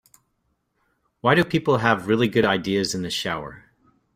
Why do people have really good ideas in the shower?